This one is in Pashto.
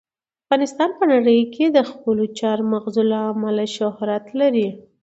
افغانستان په نړۍ کې د خپلو چار مغز له امله شهرت لري.